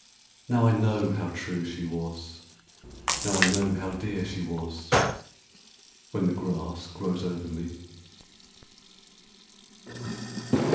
Now I know how true she was; Now I know how dear she was"—When the grass grows over me!